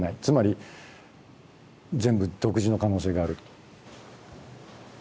つまり全部独自の可能性がある。